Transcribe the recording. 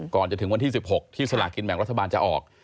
ก่อนจะถึงวันที่๑๖ที่สลากินแบ่งรัฐบาลจะออก